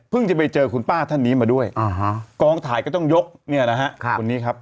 จะไปเจอคุณป้าท่านนี้มาด้วยกองถ่ายก็ต้องยกเนี่ยนะฮะคนนี้ครับ